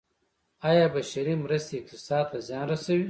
آیا بشري مرستې اقتصاد ته زیان رسوي؟